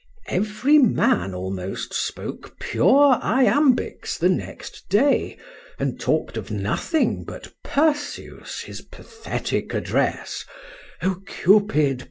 Every man almost spoke pure iambics the next day, and talked of nothing but Perseus his pathetic address,—"_O Cupid!